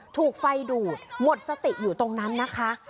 ถูกไฟดูดหมดสติอยู่ตรงนั้นนะคะ